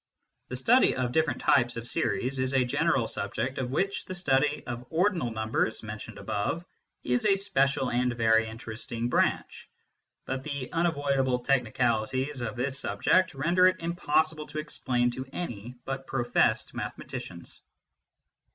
The study of different types of series is a general subject of which the study of ordinal numbers (mentioned above) is a special and very interesting branch. But the unavoid able technicalities of this subject render it impossible to explain to any but professed mathematicians.